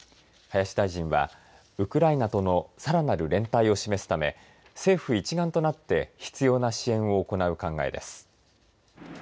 林大臣はウクライナとのさらなる連帯を示すため政府一丸となって必要な支援を行う考えです。